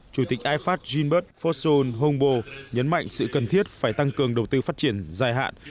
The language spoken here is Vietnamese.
chủ tịch ifas jean bert fosson hombo nhấn mạnh sự cần thiết phải tăng cường đầu tư phát triển dài hạn